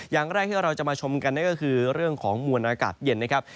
อย่างแรกที่เราจะมาชมกันนั่นก็คือเรื่องของมวลอากาศเย็นนะครับ